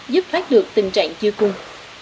giúp phát được tình trạng chưa cùng